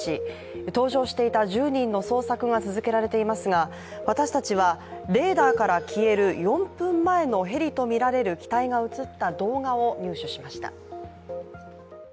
搭乗していた１０人の捜索が続けられていますが私たちはレーダーから消える４分前のヘリとみられる機体が映った動画を入手しました。